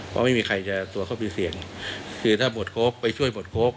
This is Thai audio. เพราะไม่มีใครจะตัวเขามีเสี่ยงคือถ้าหมดโค้กไปช่วยหมดโค้ก